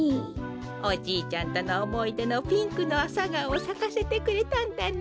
おじいちゃんとのおもいでのピンクのアサガオをさかせてくれたんだね。